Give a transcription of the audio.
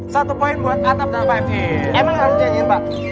satu poin buat atap dan five in